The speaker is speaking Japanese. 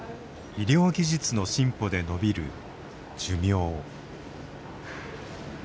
医療技術の進歩でのびる寿命。